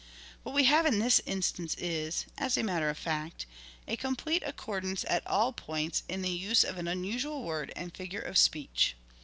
What we have in this instance is, as a matter of fact, a complete accordance at all points in the use of an unusual word and figure of speech.